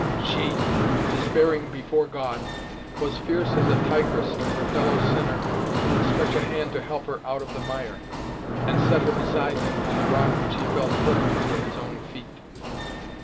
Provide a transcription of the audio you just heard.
She, despairing before God, was fierce as a tigress to her fellow sinner who would stretch a hand to help her out of the mire, and set her beside him on the rock which he felt firm under his own feet.